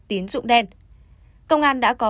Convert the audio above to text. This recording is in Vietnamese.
tín dụng đen công an đã có